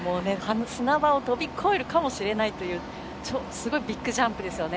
砂場を飛び越えるかもしれないというすごいビッグジャンプですね。